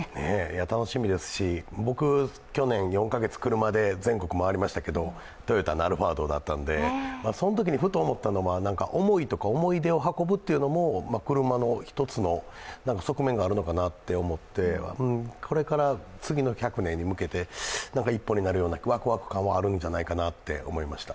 楽しみですし僕、去年４か月車で全国回りましたけど、トヨタのアルファードだったので、そのときにふと思ったのは、思いとか思い出を運ぶというのも車の一つの側面があるのかなって思って、これから次の１００年に向けて一歩になるような、ワクワク感はあるんじゃないかなって思いました。